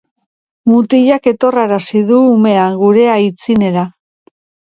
Mutilak etorrarazi du umea gure aitzinera.